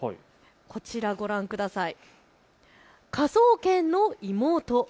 こちらご覧ください。